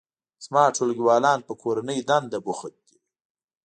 زما ټولګیوالان په کورنۍ دنده بوخت دي